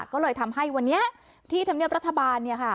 ก็เลยทำให้วันนี้ที่ธรรมเนียมรัฐบาลเนี่ยค่ะ